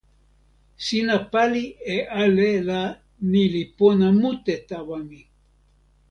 sina pali e ale la ni li pona mute tawa mi.